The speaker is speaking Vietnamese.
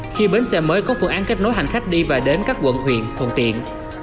khi bến xe mới có phương án kết nối hành khách đi và đến các quận huyện thuận tiện